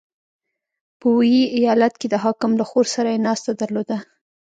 • په ویي ایالت کې د حاکم له خور سره یې ناسته درلوده.